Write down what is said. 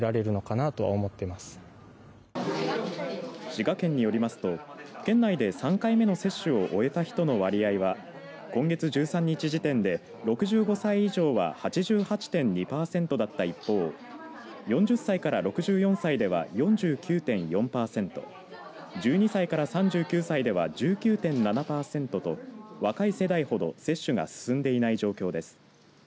滋賀県によりますと県内で３回目の接種を終えた人の割合は今月１３日時点で、６５歳以上は８８．２パーセントだった一方４０歳から６４歳では４９．４パーセント１２歳から３９歳では１９．７パーセントと若い世代ほど接種が進んでいない状況です。